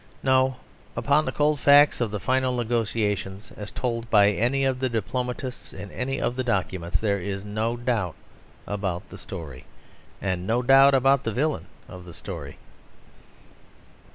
No: upon the cold facts of the final negotiations, as told by any of the diplomatists in any of the documents, there is no doubt about the story. And no doubt about the villain of the story.